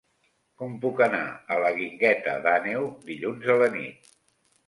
Com puc anar a la Guingueta d'Àneu dilluns a la nit?